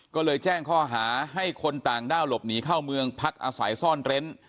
ก็เลยแจ้งข้อหาให้คนต่างด้าวหลบหนีเข้าเมืองพักอาศัยซ่อนเร้น